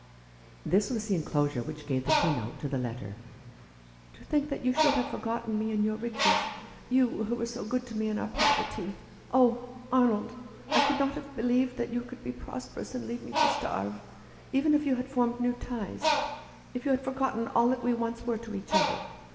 This was the enclosure which gave the key note to the letter. "To think that you should have forgotten me in your riches — you, who were so good to me in our poverty! Oh, Arnold, I could not have believed that you could be prosperous and leave me to starve, even if you had formed new ties ; if you had forgotten all that we once were to each other.